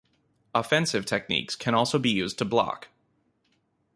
Offensive techniques can also be used to block.